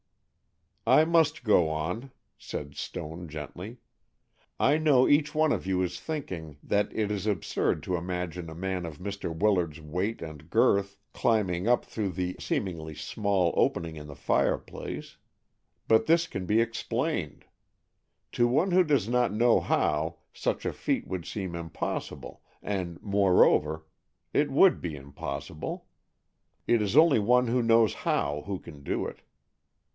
"I must go on," said Stone, gently. "I know each one of you is thinking that it is absurd to imagine a man of Mr. Willard's weight and girth climbing up through the seemingly small opening in the fireplace. But this can be explained. To one who does not know how, such a feat would seem impossible, and, moreover, it would be impossible. It is only one who knows how who can do it.